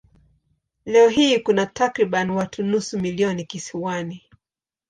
Leo hii kuna takriban watu nusu milioni kisiwani.